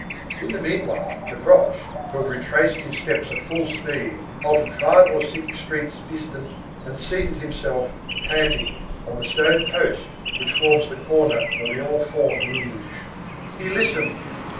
In the meanwhile, Gavroche, who had retraced his steps at full speed, halted five or six streets distant and seated himself, panting, on the stone post which forms the corner of the Enfants Rouges. He listened.